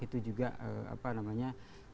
itu juga apa namanya